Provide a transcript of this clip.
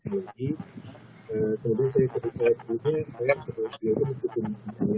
kalian bisa mengenal ada juga apakah pendialan b covid di universitas indonesia